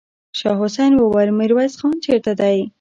شاه حسين وويل: ميرويس خان چېرته دی؟